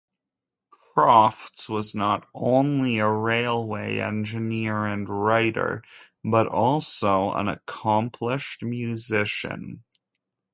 Crofts was not only a railway engineer and writer, but also an accomplished musician.